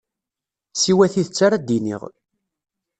Siwa tidet ara d-iniɣ.